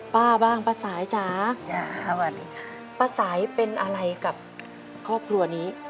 ป้าบ้างป้าสายจ๋าป้าสายเป็นอะไรกับครอบครัวนี้